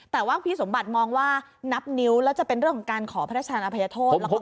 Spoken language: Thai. แต่ว่าพี่สมบัติมองว่านับนิ้วแล้วจะเป็นเรื่องของการขอพระราชทานอภัยโทษ